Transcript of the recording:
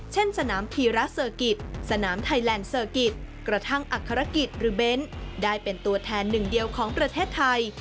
เช่นสนามภีราสนามไทยแลนด์กระทั่งอักษรกิจได้เป็นตัวแทนหนึ่งเดียวของประเทศไทย